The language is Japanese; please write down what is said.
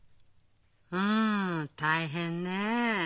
うん大変ねえ。